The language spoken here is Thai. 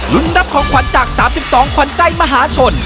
รับของขวัญจาก๓๒ขวัญใจมหาชน